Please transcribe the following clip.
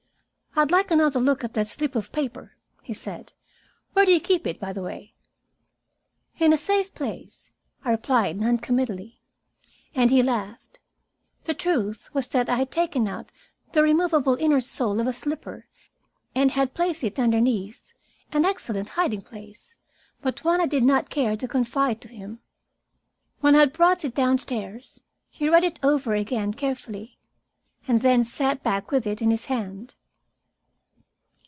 "I'd like another look at that slip of paper," he said. "Where do you keep it, by the way?" "In a safe place," I replied non committally, and he laughed. The truth was that I had taken out the removable inner sole of a slipper and had placed it underneath, an excellent hiding place, but one I did not care to confide to him. When I had brought it downstairs, he read it over again carefully, and then sat back with it in his hand.